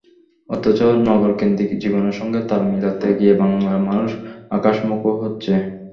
অথচ নগরকেন্দ্রিক জীবনের সঙ্গে তাল মিলাতে গিয়ে বাংলার মানুষ আকাশমুখো হচ্ছে।